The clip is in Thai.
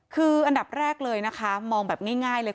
คืออันดับแรกเลยนะคะมองแบบง่ายเลย